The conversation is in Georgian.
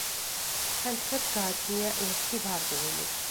ჩანჩქერს გააჩნია ერთი ვარდნილი.